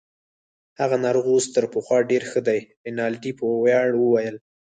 هغه ناروغ اوس تر پخوا ډیر ښه دی. رینالډي په ویاړ وویل.